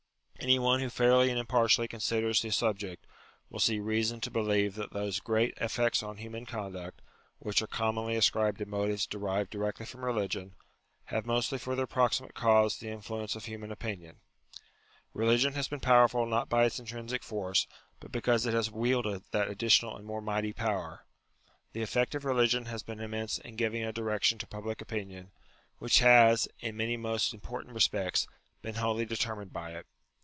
Any one who fairly and impartially considers the subject, will see reason to believe that those great effects on human conduct, which are commonly ascribed to motives derived directly from religion, have mostly for their proximate cause the influence of human opinion. Eeligion has been powerful not by its intrinsic force, but because it has wielded that additional and more mighty power. The effect of 88 UTILITY OF RELIGION religion has been immense in giving a direction to public opinion : which has, in many most important respects, been wholly determined by it.